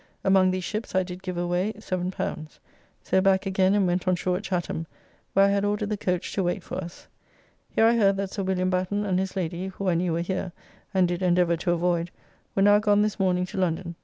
Among these ships I did give away L7. So back again and went on shore at Chatham, where I had ordered the coach to wait for us. Here I heard that Sir William Batten and his lady (who I knew were here, and did endeavour to avoyd) were now gone this morning to London.